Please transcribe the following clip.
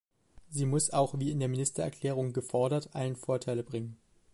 Sie muss, wie auch in der Ministererklärung gefordert, allen Vorteile bringen.